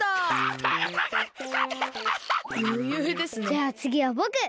じゃあつぎはぼく！